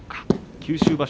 九州場所